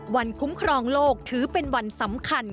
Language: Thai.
คุ้มครองโลกถือเป็นวันสำคัญ